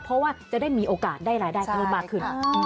เพราะว่าจะได้มีโอกาสได้รายได้เพิ่มมากขึ้น